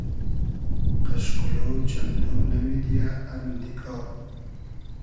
قئشقولۉ چئندۉ نۂ میدیۂ ام دیگا